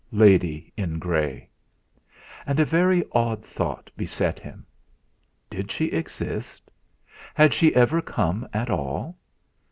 'Lady in grey!' And a very odd thought beset him: Did she exist? Had she ever come at all?